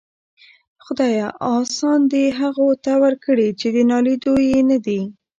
خداىه! آسان دي هغو ته ورکړي چې د ناليدو يې ندې.